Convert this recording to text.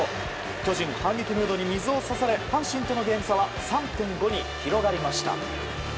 巨人、反撃ムードに水を差され、阪神とのゲーム差は３．５に広がりました。